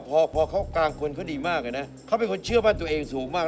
พอพอเขากลางคนเขาดีมากอะนะเขาเป็นคนเชื่อมั่นตัวเองสูงมาก